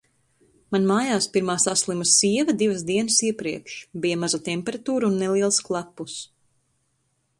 Man mājās pirmā saslima sieva divas dienas iepriekš. Bija maza temperatūra un neliels klepus.